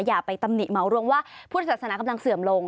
อย่าไปตำหนิเหมารวมว่าพุทธศาสนากำลังเสื่อมลง